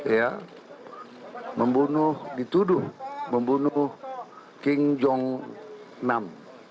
ya dituduh membunuh kim jong nam